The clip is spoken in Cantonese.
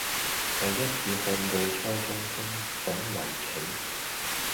第一次看到初中生懂圍棋